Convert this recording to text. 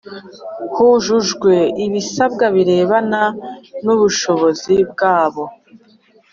hujujwe ibisabwa birebana n ubushobozi bwabo